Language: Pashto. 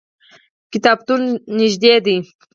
کتابتون نږدې دی